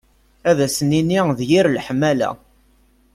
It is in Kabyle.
Ad s-nini d yir leḥmala.